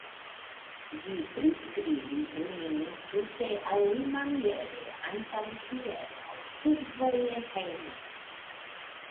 Vi priskribis lin tute alimaniere antaŭhieraŭ survoje hejmen.